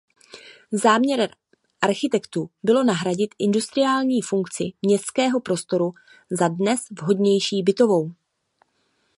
Záměrem architektů bylo nahradit industriální funkci městského prostoru za dnes vhodnější bytovou.